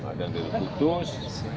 ada yang dari kudus